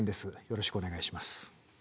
よろしくお願いします。